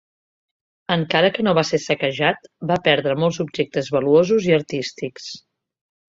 Encara que no va ser saquejat, va perdre molts objectes valuosos i artístics.